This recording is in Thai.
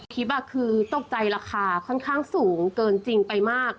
คลิปคือตกใจราคาค่อนข้างสูงเกินจริงไปมาก